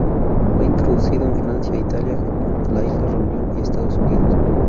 Fue introducido en Francia, Italia, Japón, la isla Reunión y Estados Unidos.